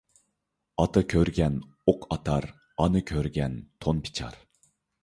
ئاتا كۆرگەن ئوق ئاتار، ئانا كۆرگەن تون پىچار.